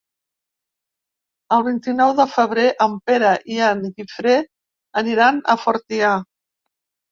El vint-i-nou de febrer en Pere i en Guifré aniran a Fortià.